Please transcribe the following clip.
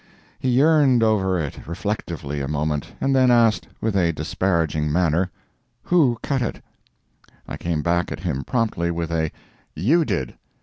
He yearned over it reflectively a moment, and then asked, with a disparaging manner, who cut it. I came back at him promptly with a "You did!"